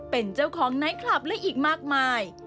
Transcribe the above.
เป็นเจ้าของไนท์คลับและอีกมากมาย